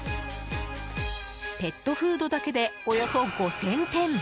ペットフードだけでおよそ５０００点。